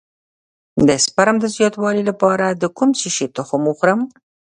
د سپرم د زیاتوالي لپاره د کوم شي تخم وخورم؟